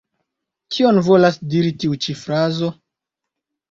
Kion volas diri tiu ĉi frazo?